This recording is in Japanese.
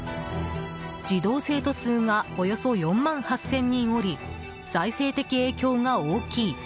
児童生徒数がおよそ４万８０００人おり財政的影響が大きい。